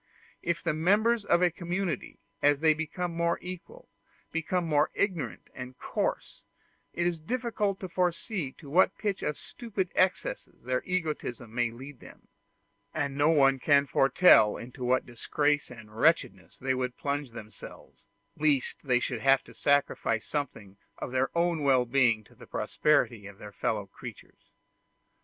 If the members of a community, as they become more equal, become more ignorant and coarse, it is difficult to foresee to what pitch of stupid excesses their egotism may lead them; and no one can foretell into what disgrace and wretchedness they would plunge themselves, lest they should have to sacrifice something of their own well being to the prosperity of their fellow creatures.